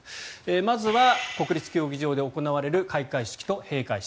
まずは国立競技場で行われる開会式と閉会式。